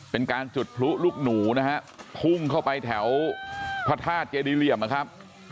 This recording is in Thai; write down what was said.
เป็นการจุดพลุลูกหนูนะฮะพุ่งเข้าไปแถวพระธาตุเจดีเหลี่ยมนะครับ